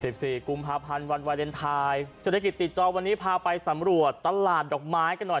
สี่กุมภาพันธ์วันวาเลนไทยเศรษฐกิจติดจอวันนี้พาไปสำรวจตลาดดอกไม้กันหน่อย